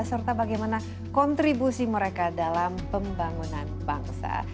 serta bagaimana kontribusi mereka dalam pembangunan bangsa